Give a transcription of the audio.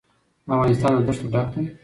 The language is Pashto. افغانستان له ښتې ډک دی.